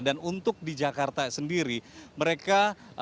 untuk di jakarta sendiri mereka